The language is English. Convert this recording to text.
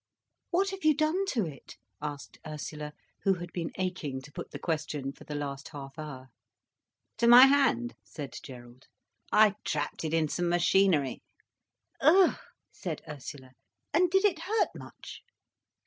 "What have you done to it?" asked Ursula, who had been aching to put the question for the last half hour. "To my hand?" said Gerald. "I trapped it in some machinery." "Ugh!" said Ursula. "And did it hurt much?"